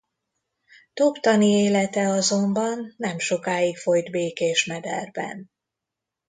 Toptani élete azonban nem sokáig folyt békés mederben.